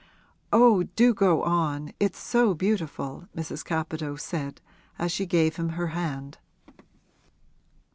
'Oh, do go on, it's so beautiful,' Mrs. Capadose said, as she gave him her hand.